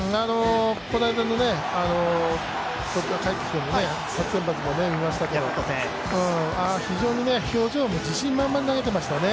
この間の、帰ってきての初先発も見ましたけれども、非常に表情も自信満々に投げてましたよね。